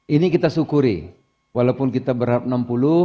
ini kita syukuri walaupun kita berharap enam puluh